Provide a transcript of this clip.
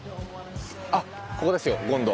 あっここですよ権堂。